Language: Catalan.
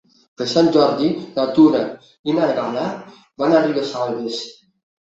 Per Sant Jordi na Tura i na Gal·la van a Ribesalbes.